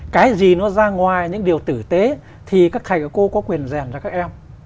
cái gì nó ra ngoài những điều tử tế thì các thầy cô có quyền rèn cho các em